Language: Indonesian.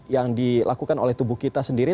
yang dilakukan oleh tubuh kita sendiri